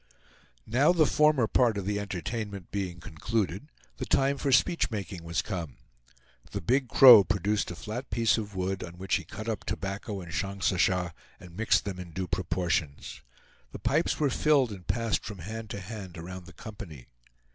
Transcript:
Now the former part of the entertainment being concluded, the time for speech making was come. The Big Crow produced a flat piece of wood on which he cut up tobacco and shongsasha, and mixed them in due proportions. The pipes were filled and passed from hand to hand around the company.